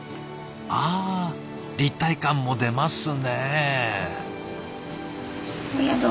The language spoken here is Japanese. あ立体感も出ますね。